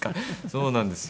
そうなんですよ。